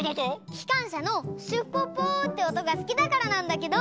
きかんしゃのシュッポッポーっておとがすきだからなんだけど。